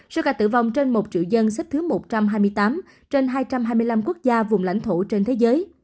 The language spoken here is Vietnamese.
số ca tử vong trên một triệu dân xếp thứ một trăm hai mươi tám trên hai trăm hai mươi năm quốc gia vùng lãnh thổ trên thế giới